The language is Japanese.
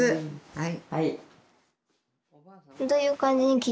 はい。